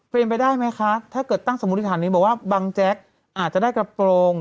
เป็นไปได้ไหมคะถ้าเกิดตั้งสมมุติฐานนี้บอกว่าบังแจ๊กอาจจะได้กระโปรง